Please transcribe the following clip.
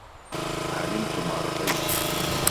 عَلِمْت مَا رَأَيْت